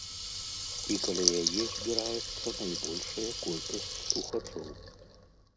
І каля яе збіраецца найбольшая колькасць слухачоў.